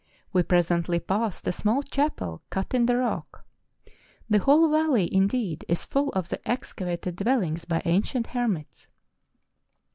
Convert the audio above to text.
We presently passed a small chapel cut in the rock; the whole valley, indeed, is full of the excavated dwellings of ancient hermits.